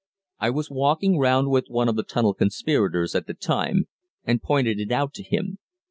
I was walking round with one of the tunnel conspirators at the time, and pointed it out to him.